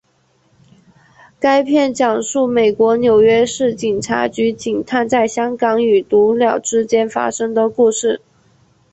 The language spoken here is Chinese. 该片讲述美国纽约市警察局警探在香港与毒枭之间发生的故事。